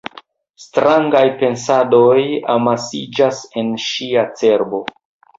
Strangaj pensadoj amasiĝas en ŝia cerbo.